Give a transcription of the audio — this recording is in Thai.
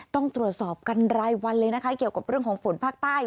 ต้องตรวจสอบกันรายวันเลยนะคะเกี่ยวกับเรื่องของฝนภาคใต้